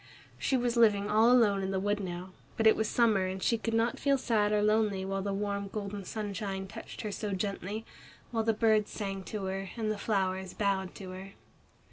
She was living all alone in the wood now, but it was summer and she could not feel sad or lonely while the warm golden sunshine touched her so gently, while the birds sang to her, and the flowers bowed to her.